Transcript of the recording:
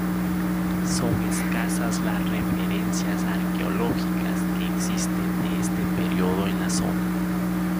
Son escasas las referencias arqueológicas que existen de este período en la zona.